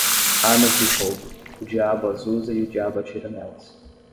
Armas de fogo, o diabo as usa e o diabo atira nelas.